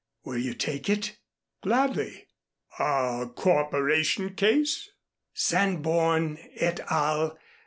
Will you take it?" "Gladly. A corporation case?" "_Sanborn et al.